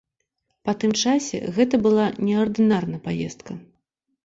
Па тым часе гэта была неардынарна паездка.